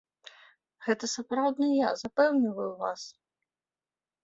Гэта сапраўдны я, запэўніваю вас!